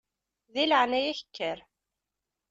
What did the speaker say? Di leɛnaya-k kker.